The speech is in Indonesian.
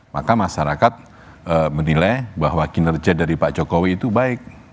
maka masyarakat menilai bahwa kinerja dari pak jokowi itu baik